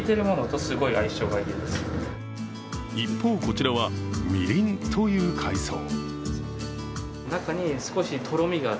一方、こちらはミリンという海藻。